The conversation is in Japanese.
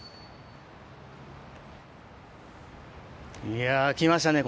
いや来ましたね